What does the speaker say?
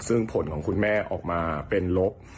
ซึ่งผลของคุณแม่ออกมาเป็นลบ